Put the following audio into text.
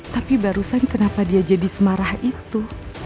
tapi barusan kenapa dia jadi semarah itu